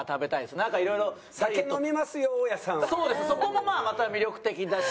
そこもまた魅力的だし。